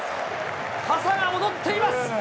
傘が踊っています。